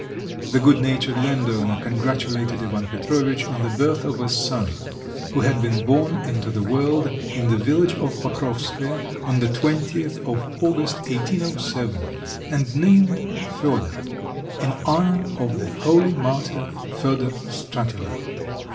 The good natured landowner congratulated Ivan Petrovitch on the birth of a son, who had been born into the world in the village of Pokrovskoe on the 20th of August, 1807, and named Fedor, in honour of the holy martyr Fedor Stratilat.